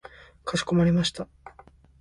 かしこまりました。